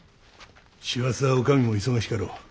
師走は女将も忙しかろう。